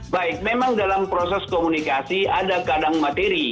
baik memang dalam proses komunikasi ada kadang materi